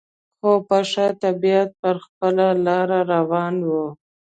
خو په ښه طبیعت پر خپله لار روان و.